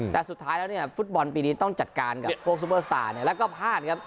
แต่สุดท้ายแล้วเนี่ยฟุตบอลปีนี้ต้องจัดการกับพวกซูเปอร์สตาร์แล้วก็พลาดครับ